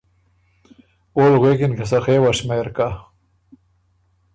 اول غوېکِن که ”سخے وه شمېر کَۀ